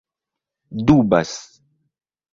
dubas